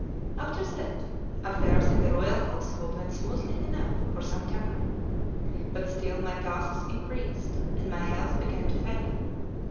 After this, affairs in the royal household went smoothly enough for some time; but still my tasks increased, and my health began to fail.